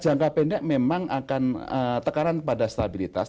jangka pendek memang akan tekanan pada stabilitas